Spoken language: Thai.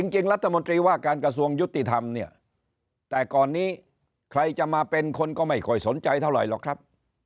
จริงรัฐมนตรีว่าการกระทรวงยุติธรรมเนี่ยแต่ก่อนนี้ใครจะมาเป็นคนก็ไม่ค่อยสนใจเท่าไหร่หรอกครับ